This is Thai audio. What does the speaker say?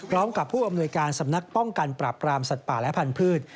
กับผู้อำนวยการสำนักป้องกันปราบปรามสัตว์ป่าและพันธุ์